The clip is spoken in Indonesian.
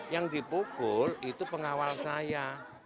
yang dipukul itu pengawal saya